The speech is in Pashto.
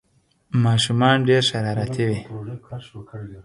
ماشومان ډېر شرارتي وي